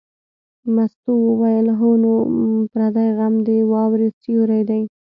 مستو وویل: هو نو پردی غم د واورې سیوری دی.